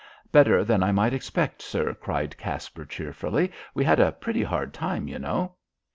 "Better than I might expect, sir," cried Caspar cheerfully. "We had a pretty hard time, you know."